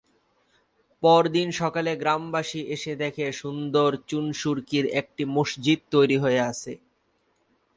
পরদিন সকালে গ্রামবাসী এসে দেখে সুন্দর চুন-সুরকির একটি মসজিদ তৈরি হয়ে আছে।